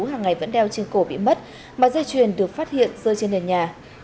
hàng ngày vẫn đeo trên cổ bị mất mà dây chuyền được phát hiện rơi trên nền nhà